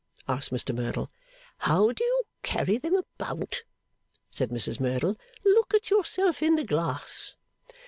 asked Mr Merdle. 'How do you carry them about?' said Mrs Merdle. 'Look at yourself in the glass.